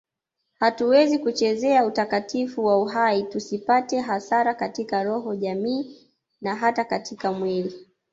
Hatuwezi kuchezea utakatifu wa uhai tusipate hasara katika roho jamii na hata katika mwili